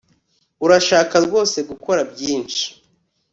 urashaka rwose gukora byinshi